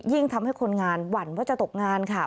ทำให้คนงานหวั่นว่าจะตกงานค่ะ